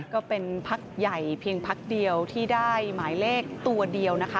ก็เป็นพักใหญ่เพียงพักเดียวที่ได้หมายเลขตัวเดียวนะคะ